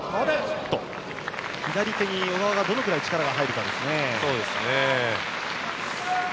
左手に小川が、どのくらい力が入るかですね。